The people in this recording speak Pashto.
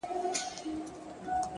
o گراني چي ستا سره خبـري كوم؛